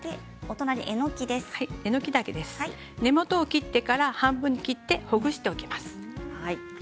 えのきは根元を切ってから半分にほぐしておきます。